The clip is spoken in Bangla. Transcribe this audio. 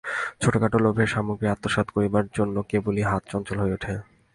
ছোটোখাটো লোভের সামগ্রী আত্মসাৎ করবার জন্যে কেবলই হাত চঞ্চল হয়ে ওঠে।